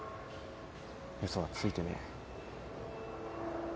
嘘はついてねえ。